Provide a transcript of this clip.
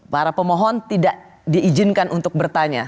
para pemohon tidak diizinkan untuk bertanya